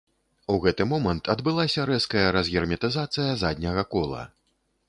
У гэты момант адбылася рэзкая разгерметызацыя задняга кола.